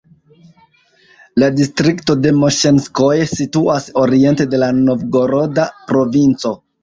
La distrikto de Moŝenskoje situas oriente de la Novgoroda provinco.